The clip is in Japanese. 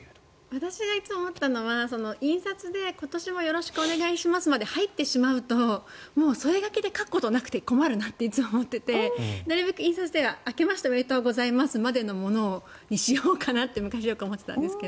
私がいつも思っていたのは印刷で今年もよろしくお願いしますまで入ってしまうともうそれだけで書くことがなくて困るなといつも思っていてなるべく印刷では明けましておめでとうございますまでのものにしようと昔よく思っていたんですけど。